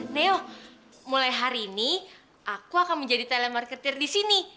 neo mulai hari ini aku akan menjadi telemarkertir di sini